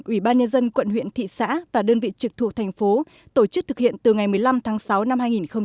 ubnd quận huyện thị xã và đơn vị trực thuộc thành phố tổ chức thực hiện từ ngày một mươi năm tháng sáu năm hai nghìn một mươi chín